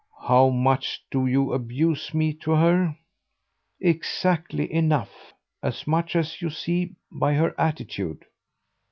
"How much do you abuse me to her?" "Exactly enough. As much as you see by her attitude."